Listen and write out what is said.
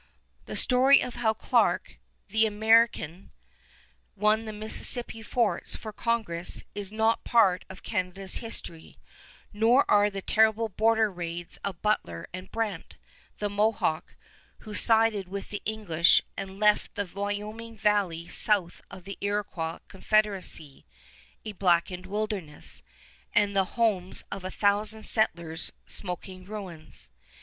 The story of how Clark, the American, won the Mississippi forts for Congress is not part of Canada's history, nor are the terrible border raids of Butler and Brant, the Mohawk, who sided with the English, and left the Wyoming valley south of the Iroquois Confederacy a blackened wilderness, and the homes of a thousand settlers smoking ruins.